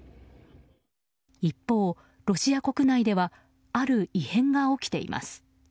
一方、ロシア国内ではある異変が起きています。